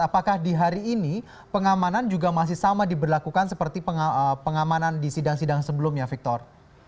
apakah di hari ini pengamanan juga masih sama diberlakukan seperti pengamanan di sidang sidang sebelumnya victor